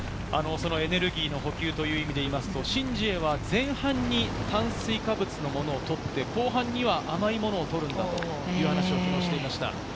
エネルギーの補給という意味で言うとシン・ジエは前半に炭水化物をとって、後半には甘いものを取るんだという話を昨日、していました。